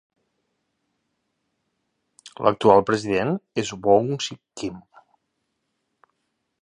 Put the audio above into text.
L'actual president és Boung-Sik, Kim.